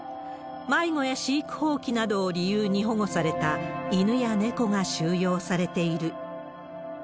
迷子や飼育放棄などを理由に保護された犬や猫が収容されている。